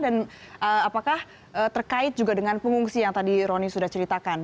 dan apakah terkait juga dengan pengungsi yang tadi roni sudah ceritakan